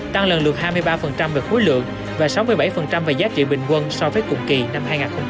tăng lần lượt hai mươi ba về khối lượng và sáu mươi bảy về giá trị bình quân so với cùng kỳ năm hai nghìn hai mươi ba